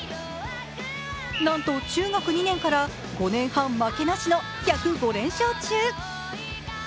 なんと中学２年から５年半負けなしの１０５連勝中。